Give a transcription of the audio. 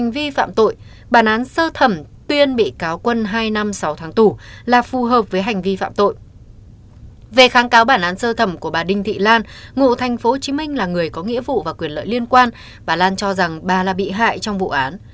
về kháng cáo bản án sơ thẩm của bà đinh thị lan ngụ thành phố hồ chí minh là người có nghĩa vụ và quyền lợi liên quan bà lan cho rằng bà là bị hại trong vụ án